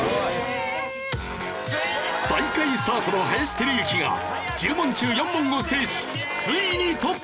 最下位スタートの林輝幸が１０問中４問を制しついにトップへ！